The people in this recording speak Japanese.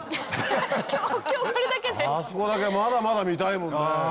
あそこだけまだまだ見たいもんね。